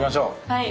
はい。